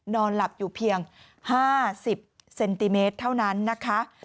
นอนหลับอยู่เพียง๕๐เซนติเมตรเท่านั้นนะคะ